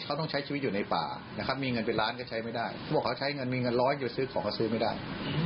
เขาใช้ชีวิตอยู่ในป่าอย่างเดียวเลย